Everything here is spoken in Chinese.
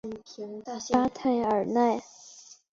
巴泰尔奈。